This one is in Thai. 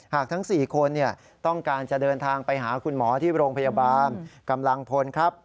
ทั้ง๔คนต้องการจะเดินทางไปหาคุณหมอที่โรงพยาบาลกำลังพลครับ